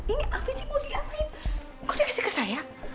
ini avisi modi gavin kok dia kasih ke saya